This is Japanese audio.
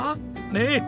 ねえ。